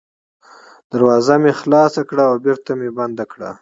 دروازه مې خلاصه کړه او بېرته مې بنده کړه.